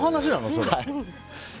それ。